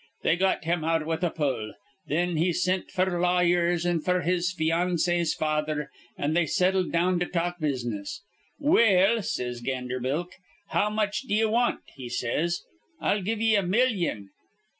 They got him out with a pull. Thin he sint f'r lawyers an' f'r his financee's father, an' they settled down to talk business. 'Well,' says Ganderbilk, 'how much d'ye want?' he says. 'I'll give ye a millyon.'